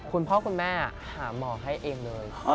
คุณพ่อคุณแม่หาหมอให้เองเลย